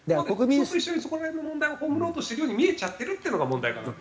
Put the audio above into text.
国葬と一緒にそこら辺の問題を葬ろうとしているように見えちゃってるっていうのが問題かなと。